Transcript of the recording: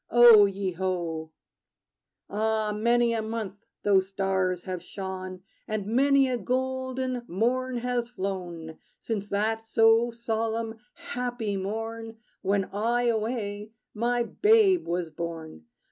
O ye ho! Ah, many a month those stars have shone, And many a golden morn has flown, Since that so solemn, happy morn, When, I away, my babe was born.